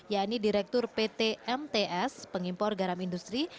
yakni direktur pt mts pengimpor garam industri